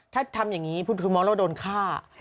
ถ้าทำอย่างนี้พูดคุณหมอแล้วโดนฆ่า